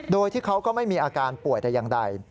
โดยที่เขาก็ไม่มีอาการป่วยแต่อย่างใด